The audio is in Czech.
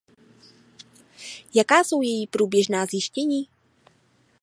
Jaká jsou její průběžná zjištění?